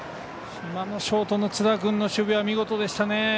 今のショートの津田君の守備は見事でしたね。